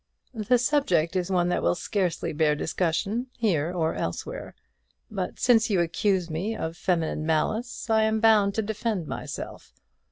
"The subject is one that will scarcely bear discussion here or elsewhere; but since you accuse me of feminine malice, I am bound to defend myself.